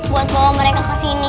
buat bawa mereka kesini